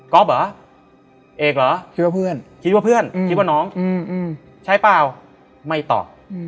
ก๊อบเหรอเอกเหรอคิดว่าเพื่อนคิดว่าน้องใช่เปล่าไม่ตอบ